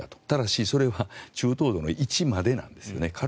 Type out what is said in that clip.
ただしそれは中等度の１までなんですよね。